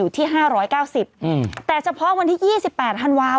แต่เฉพาะวันที่๒๘ธันวาคม